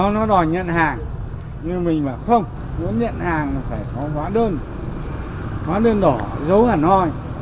nó đòi nhận hàng nhưng mình bảo không muốn nhận hàng phải có hóa đơn hóa đơn đỏ dấu hẳn thôi